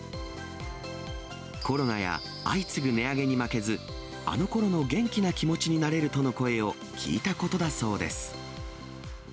コロナや相次ぐ値上げに負けず、あのころの元気な気持ちになれるとの声を聞いたことだそうです。